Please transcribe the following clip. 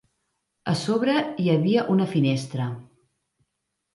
A sobre hi havia una finestra.